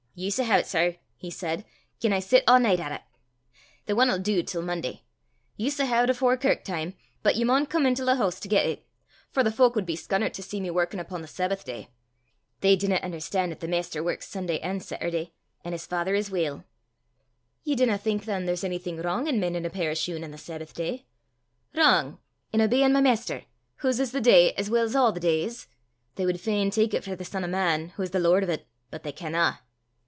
"Ye s' hae 't, sir," he said, "gien I sit a' nicht at it! The ane 'll du till Monday. Ye s' hae 't afore kirk time, but ye maun come intil the hoose to get it, for the fowk wud be scunnert to see me warkin' upo' the Sabbath day. They dinna un'erstan' 'at the Maister warks Sunday an' Setterday an' his Father as weel!" "Ye dinna think, than, there's onything wrang in men'in' a pair o' shune on the Sabbath day?" "Wrang! in obeyin' my Maister, whase is the day, as weel 's a' the days? They wad fain tak it frae the Son o' Man, wha's the lord o' 't, but they canna!"